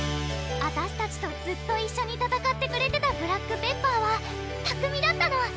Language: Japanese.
あたしたちとずっと一緒に戦ってくれてたブラックペッパーは拓海だったの！